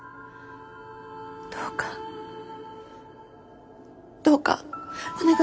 どうかどうかお願いします。